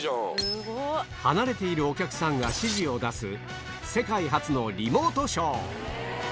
離れているお客さんが指示を出す世界初のリモートショー